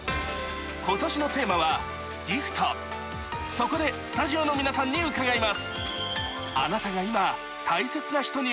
そこでスタジオの皆さんに伺います。